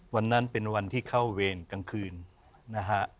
วันนั้นเป็นวันที่เข้าเวรกลางคืนนะฮะ